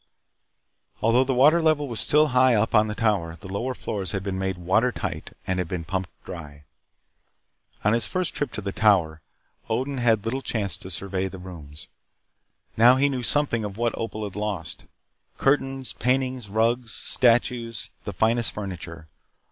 Although the water level was still high up on the Tower, the lower floors had been made water tight and had been pumped dry. On his first trip to the Tower, Odin had little chance to survey the rooms. Now he knew something of what Opal had lost. Curtains, paintings, rugs, statues, the finest furniture.